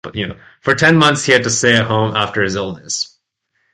For ten months he had to stay at home after his illness.